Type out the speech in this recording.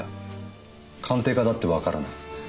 鑑定家だってわからない。